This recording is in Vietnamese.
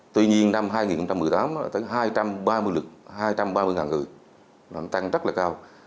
tuy nhiên năm hai nghìn một mươi tám là tới hai trăm ba mươi người làm tăng rất là cao